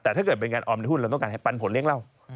แต่ถ้าเกิดเป็นงานออมในหุ้นเราต้องการให้ปันผลเลี้ยงเรา